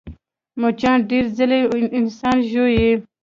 مچان ډېرې ځلې انسان ژوي